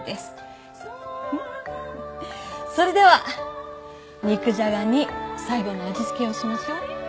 それでは肉じゃがに最後の味付けをしましょう。